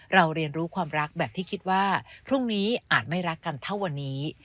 เรียนรู้ความรักแบบที่คิดว่าพรุ่งนี้อาจไม่รักกันเท่าวันนี้